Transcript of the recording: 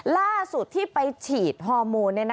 ล่าสุดที่ไปฉีดฮอร์โมน